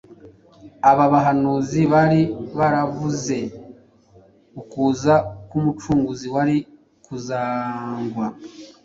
Aba bahanuzi bari baravuze ukuza k’Umucunguzi wari kuzangwa